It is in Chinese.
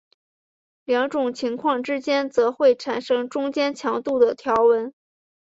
两种情况之间则会产生中间强度的条纹。